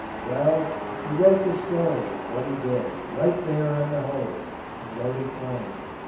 Well, he wrote the story of what he did right there on the hose, and wrote it plain.